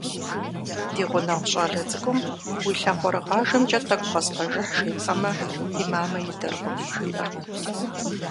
Ди гъунэгъу щӏалэ цӏыкӏум «уи лъакъуэрыгъажэмкӏэ тӏэкӏу къэзгъэжыхь» жепӏэмэ, «ди мамэ идэркъым» жиӏэрт.